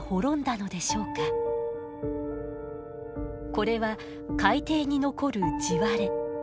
これは海底に残る地割れ。